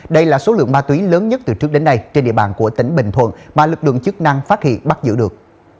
đây là số lượng ma túy lớn nhất từ trước đến nay trên địa bàn của tỉnh bình thuận mà lực lượng chức năng phát hiện bắt giữ được